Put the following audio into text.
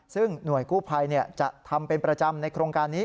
ซึ่งหน่วยกู้ภัยจะทำเป็นประจำในโครงการนี้